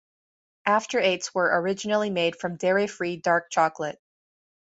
After Eights were originally made from dairy-free dark chocolate.